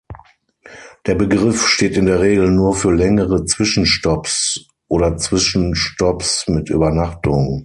Der Begriff steht in der Regel nur für längere Zwischenstopps oder Zwischenstopps mit Übernachtung.